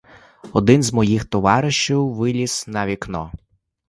Один з моїх товаришів виліз на вікно.